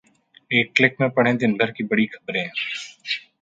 एक क्लिक में पढ़ें दिन भर की बड़ी खबरें...